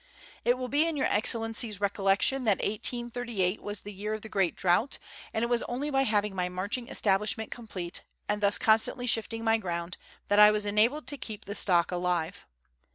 It will be in Your Excellency's recollection that 1838 was the year of the great drought, and it was only by having my marching establishment complete, and thus constantly shifting my ground, that I was enabled to keep the stock alive.